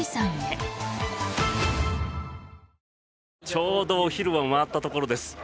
ちょうどお昼を回ったところです。